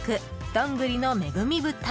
どんぐりの恵み豚。